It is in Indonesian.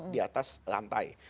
di atas lantai